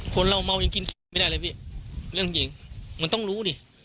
คนเราเมายังกินเคสไม่ได้เลยพี่เรื่องหญิงมันต้องรู้ดิ